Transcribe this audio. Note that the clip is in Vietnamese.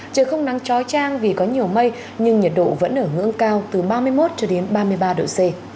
trời không nắng trói trang vì có nhiều mây nhưng nhiệt độ vẫn ở ngưỡng cao từ ba mươi một cho đến ba mươi ba độ c